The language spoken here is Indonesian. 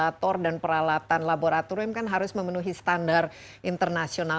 apalagi kalau kita bicara ventilator dan peralatan laboratorium kan harus memenuhi standar internasional